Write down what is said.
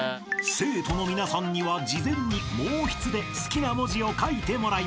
［生徒の皆さんには事前に毛筆で好きな文字を書いてもらいました］